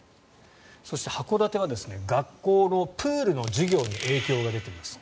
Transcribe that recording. そして函館は学校のプールの授業に影響が出ています。